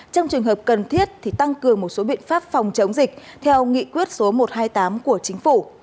trong trường hợp cần thiết thì tăng cường một số biện pháp phòng chống dịch theo nghị quyết số một trăm hai mươi tám của chính phủ